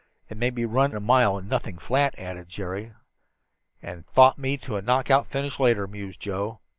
"And made me run a mile in nothing, flat," added Jerry. "And fought me to a knockout finish later," mused Joe.